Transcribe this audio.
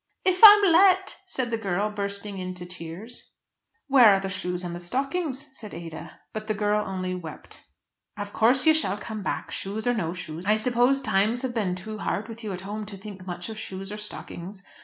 "If I'm let," said the girl, bursting into tears. "Where are the shoes and stockings?" said Ada. But the girl only wept. "Of course you shall come back, shoes or no shoes. I suppose times have been too hard with you at home to think much of shoes or stockings.